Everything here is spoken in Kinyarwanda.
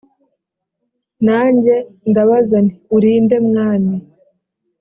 nanjye ndabaza nti uri nde mwami